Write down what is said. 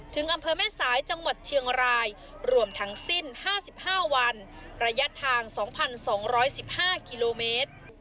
อำเภอแม่สายจังหวัดเชียงรายรวมทั้งสิ้น๕๕วันระยะทาง๒๒๑๕กิโลเมตร